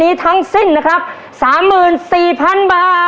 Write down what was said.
หนึ่งล้าน